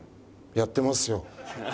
やってますよ。